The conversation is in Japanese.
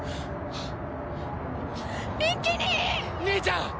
兄ちゃん！